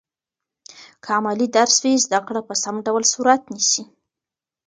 که عملي درس وي، زده کړه په سم ډول صورت نیسي.